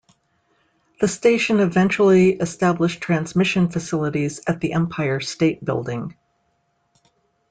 The station eventually established transmission facilities at the Empire State Building.